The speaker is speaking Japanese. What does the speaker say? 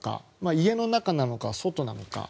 家の中なのか、外なのか。